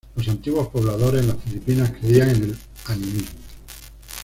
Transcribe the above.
Los antiguos pobladores en las Filipinas creían en el animismo.